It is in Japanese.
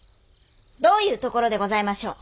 どういうところでございましょう。